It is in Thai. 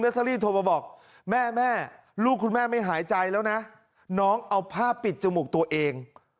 อรี่โทรมาบอกแม่แม่ลูกคุณแม่ไม่หายใจแล้วนะน้องเอาผ้าปิดจมูกตัวเอง